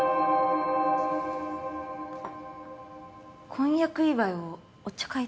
婚約祝いをお茶会で？